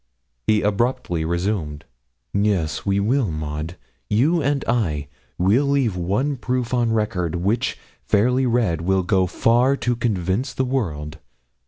He abruptly resumed 'Yes, we will, Maud you and I we'll leave one proof on record, which, fairly read, will go far to convince the world.'